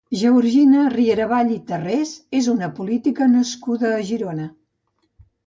Georgina Rieradevall i Tarrés és una política nascuda a Girona.